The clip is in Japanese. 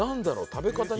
食べ方に。